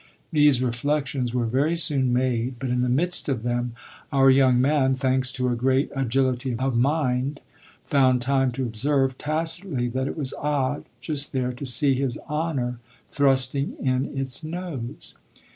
These reflections were very soon made, but in the midst of them our young man, thanks to a great agility of mind, found time to observe, tacitly, that it was odd, just there, to see his "honor" thrusting in its nose.